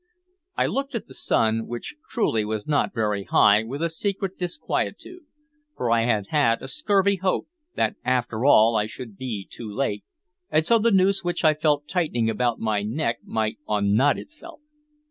I looked at the sun, which truly was not very high, with a secret disquietude; for I had had a scurvy hope that after all I should be too late, and so the noose which I felt tightening about my neck might unknot itself.